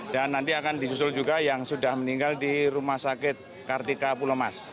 nanti akan disusul juga yang sudah meninggal di rumah sakit kartika pulemas